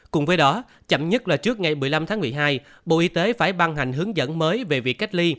cùng với đó chậm nhất là trước ngày một mươi năm tháng một mươi hai bộ y tế phải ban hành hướng dẫn mới về việc cách ly